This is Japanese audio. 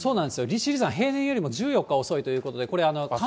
利尻山、平年よりも１４日遅いということで、これ。